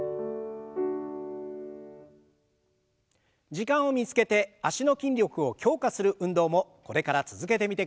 時間を見つけて脚の筋力を強化する運動もこれから続けてみてください。